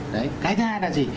đấy cái thứ hai là gì